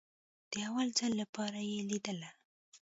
د اول ځل لپاره يې ليدله.